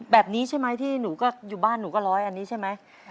แบบนี้ใช่ไหมที่หนูก็อยู่บ้านหนูก็ร้อยอันนี้ใช่ไหม